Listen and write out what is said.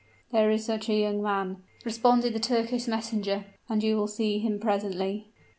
"There is such a young man," responded the Turkish messenger; "and you will see him presently."